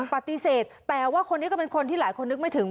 ปฏิเสธแต่ว่าคนนี้ก็เป็นคนที่หลายคนนึกไม่ถึง